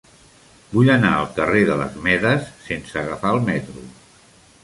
Vull anar al carrer de les Medes sense agafar el metro.